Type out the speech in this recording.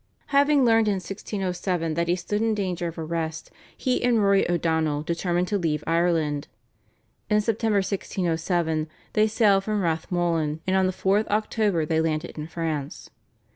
Having learned in 1607 that he stood in danger of arrest, he and Rory O'Donnell determined to leave Ireland. In September 1607 they sailed from Rathmullen, and on the 4th October they landed in France.